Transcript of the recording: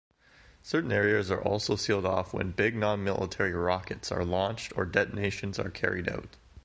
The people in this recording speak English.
Certain areas are also sealed off when big non-military rockets are launched or detonations are carried out.